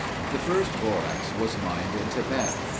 The first borax was mined in Tibet.